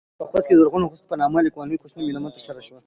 په خوست کې د زرغون خوست په نامه د نيالګيو کښېنولو مېلمه ترسره شوه.